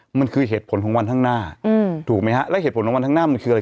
มันคือเหตุผลของวันข้างหน้าถูกไหมฮะแล้วเหตุผลของวันข้างหน้ามันคืออะไร